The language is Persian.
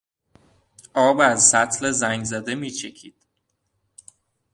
آب از سطل زنگزده میچکید.